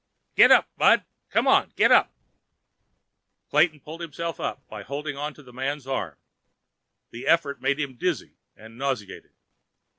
"Get up, bud. Come on, get up!" Clayton pulled himself up by holding to the man's arm. The effort made him dizzy and nauseated.